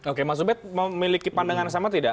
oke mas ubed memiliki pandangan yang sama tidak